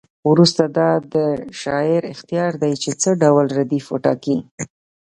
وروسته دا د شاعر اختیار دی چې څه ډول ردیف وټاکي.